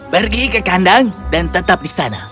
pergi ke kandang dan tetap di sana